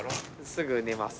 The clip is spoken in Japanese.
すぐ寝ます。